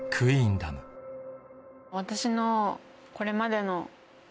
私のこれまでの。